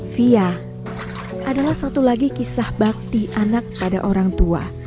fia adalah satu lagi kisah bakti anak pada orang tua